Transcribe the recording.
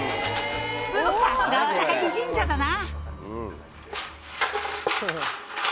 「さすがは城神社だな！」